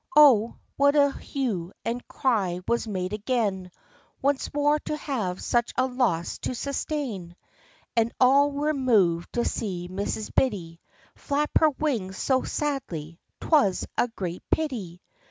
0, what a hue and cry was made again, Once more to have such a loss to sustain! And all were moved to see Mrs. Biddy Flap her wings so sadly; 'twas a great pity!